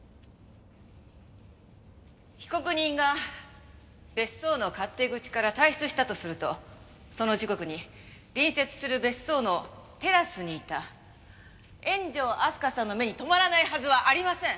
被告人が別荘の勝手口から退出したとするとその時刻に隣接する別荘のテラスにいた円城明日香さんの目に留まらないはずはありません。